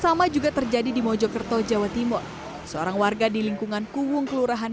sama juga terjadi di mojokerto jawa timur seorang warga di lingkungan kuwung kelurahan